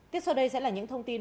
tiếp sau đây sẽ là những thông tin